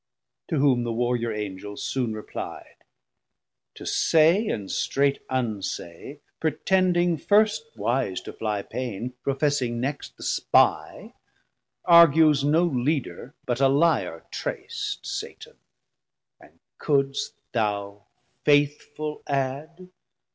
To whom the warriour Angel soon repli'd. To say and strait unsay, pretending first Wise to flie pain, professing next the Spie, Argues no Leader, but a lyar trac't, Satan, and couldst thou faithful add?